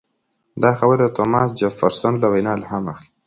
دا خبره د توماس جفرسن له وینا الهام اخلي.